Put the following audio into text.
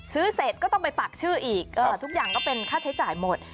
เสร็จก็ต้องไปปักชื่ออีกทุกอย่างก็เป็นค่าใช้จ่ายหมด